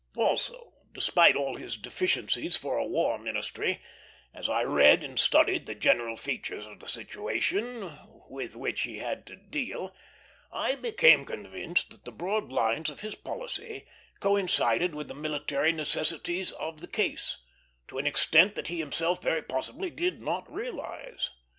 Also, despite all his deficiencies for a war ministry, as I read and studied the general features of the situation with which he had to deal, I became convinced that the broad lines of his policy coincided with the military necessities of the case, to an extent that he himself very possibly did not realize.